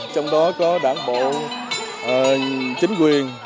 trong đó có đảng bộ chính quyền